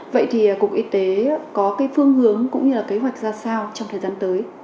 vậy thì cục y tế có cái phương hướng cũng như là kế hoạch ra sao trong thời gian tới